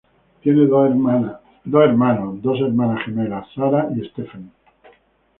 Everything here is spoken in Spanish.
Tiene dos hermanos, dos hermanas gemelas, Sarah y Stephanie.